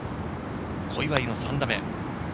小祝の３打目。